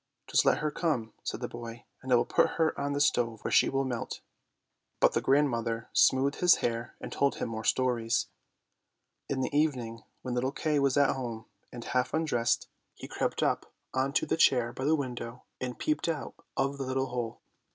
" Just let her come," said the boy, " and I will put her on the stove, where she will melt." But the grandmother smoothed his hair and told him more stories. THE SNOW QUEEN 189 In the evening when little Kay was at home and half un dressed, he crept up on to the chair by the window, and peeped out of the little hole.